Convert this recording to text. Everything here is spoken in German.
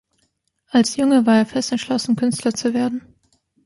Als Junge war er fest entschlossen, Künstler zu werden.